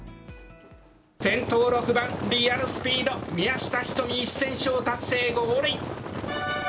先頭は６番リアルスピード、宮下瞳、１０００勝達成、ゴールイン。